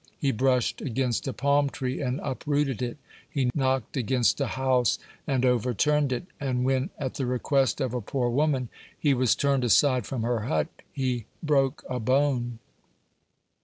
He brushed against a palm tree and uprooted it; he knocked against a house and overturned it; and when, at the request of a poor woman, he was turned aside from her hut, he broke a bone.